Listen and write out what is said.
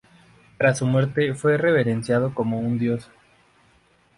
Tras su muerte fue reverenciado como un dios.